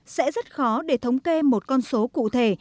sẽ rất khó để thống kê một con số cụ thể